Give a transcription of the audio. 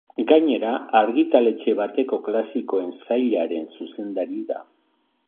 Gainera, argitaletxe bateko klasikoen sailaren zuzendari da.